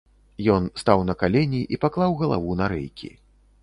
Ён стаў на калені і паклаў галаву на рэйкі.